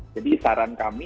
jadi saran kami